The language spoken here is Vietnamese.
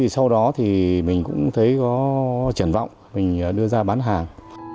sau đó thì mình cũng thấy có triển vọng mình đưa ra bán hàng